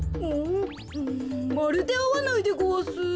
うんまるであわないでごわす。